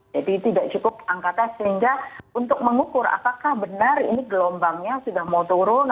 jadi tidak cukup angka tes sehingga untuk mengukur apakah benar ini gelombangnya sudah mau turun